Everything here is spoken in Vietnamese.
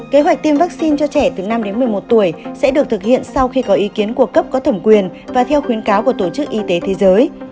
kế hoạch tiêm vaccine cho trẻ từ năm đến một mươi một tuổi sẽ được thực hiện sau khi có ý kiến của cấp có thẩm quyền và theo khuyến cáo của tổ chức y tế thế giới